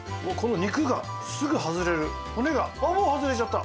骨がもう外れちゃった。